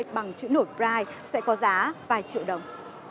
bằng chữ nổi brite sẽ có giá vài triệu đồng